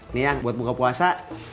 ini yang buat buka puasa